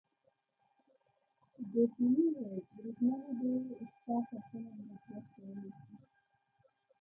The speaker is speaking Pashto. ګوردیني وویل: بریدمنه دی ستا ساتنه او مراقبت کولای شي.